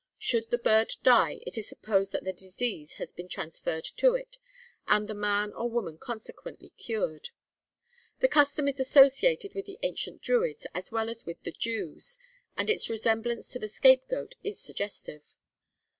'Should the bird die, it is supposed that the disease has been transferred to it, and the man or woman consequently cured.' The custom is associated with the ancient Druids as well as with the Jews, and its resemblance to the scapegoat is suggestive.